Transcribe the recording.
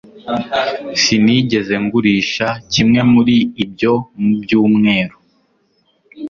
Sinigeze ngurisha kimwe muri ibyo mu byumweru